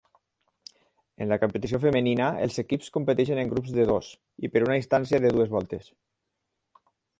En la competició femenina, els equips competeixen en grups de dos i per a una distància de dues voltes.